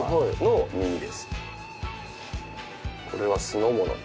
これは酢の物に。